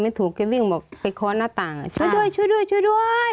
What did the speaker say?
ถูกแกวิ่งบอกไปเคาะหน้าต่างช่วยด้วยช่วยด้วยช่วยด้วย